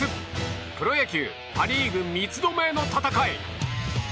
プロ野球パ・リーグ三つどもえの戦い！